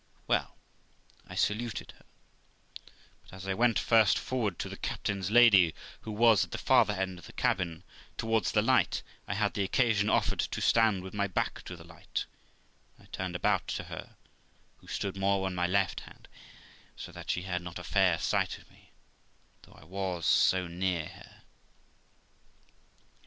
Well, I saluted her, but as I went first forward to the captain's lady, who was at the farther end of the cabin, towards the light, I had the occasion offered to stand with my back to the light, when I turned about to her, who stood more on my left hand, so that she had not a fair sight of me, though I was so near her.